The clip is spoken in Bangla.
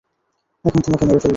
এখন তোমাকে মেরে ফেলব।